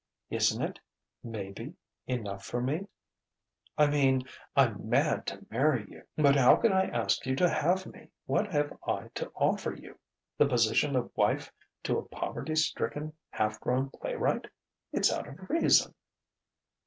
"Isn't it, maybe, enough for me?" "I mean I'm mad to marry you. But how can I ask you to have me? What have I to offer you? The position of wife to a poverty stricken, half grown playwright! It's out of reason...."